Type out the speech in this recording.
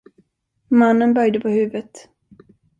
Mannen böjde på huvudet.